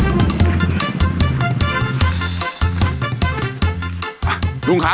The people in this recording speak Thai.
อ่ะลุงครับ